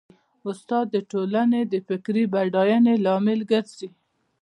استاد د ټولنې د فکري بډاینې لامل ګرځي.